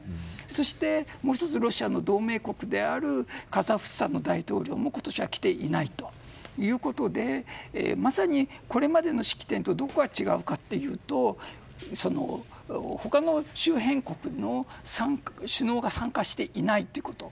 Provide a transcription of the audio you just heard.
そしてもう１つロシアの同盟国であるカザフスタンの大統領も今年は来ていないということでまさに、これまでの式典とどこが違うかというと他の周辺国の首脳が参加していないということ。